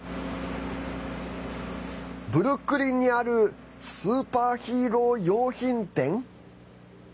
ブルックリンにあるスーパーヒーロー用品店？